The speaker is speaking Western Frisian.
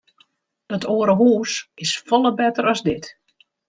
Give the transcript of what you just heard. Dat oare hús is folle better as dit.